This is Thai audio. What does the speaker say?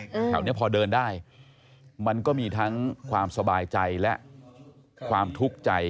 แถวเนี้ยพอเดินได้มันก็มีทั้งความสบายใจและความทุกข์ใจ